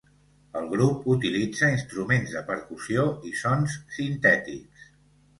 El grup utilitza instruments de percussió i sons sintètics.